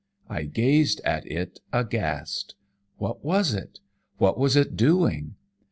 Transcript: I gazed at it aghast. What was it? What was it doing?